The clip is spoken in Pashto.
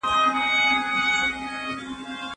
مثبت فکر د ژوند په هر حالت کي مو ارام ساتي.